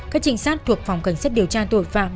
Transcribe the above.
các trinh sát thuộc phòng cảnh sát điều tra tội phạm